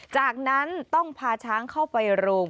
จากนั้นต้องพาช้างเข้าไปโรง